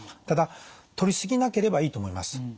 ただとりすぎなければいいと思います。